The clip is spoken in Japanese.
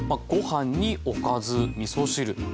ご飯におかずみそ汁。